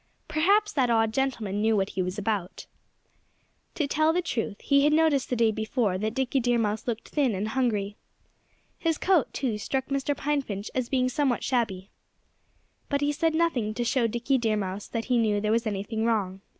Perhaps that odd gentleman knew what he was about. To tell the truth, he had noticed the day before that Dickie Deer Mouse looked thin and hungry. His coat, too, struck Mr. Pine Finch as being somewhat shabby. But he said nothing to show Dickie Deer Mouse that he knew there was anything wrong.